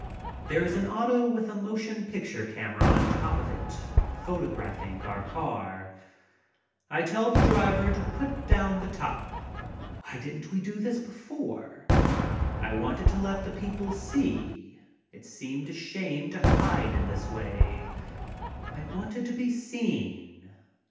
There is an auto with a motion picture camera on top of it photographing our car. I tell the driver to put down the top. Why didn't we do this before? I wanted to let the people see. It seemed a shame to hide in this way. I wanted to be seen.